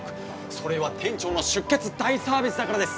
それは店長の出血大サービスだからです！